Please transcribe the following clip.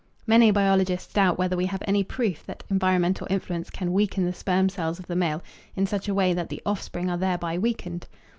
Many biologists doubt whether we have any proof that environmental influence can weaken the sperm cells of the male in such a way that the offspring are thereby weakened.